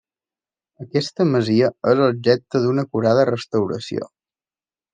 Aquesta masia és objecte d'una acurada restauració.